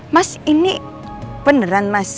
mas ini beneran mas